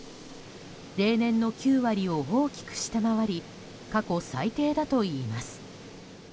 例年の９割を大きく下回り過去最低だといいます。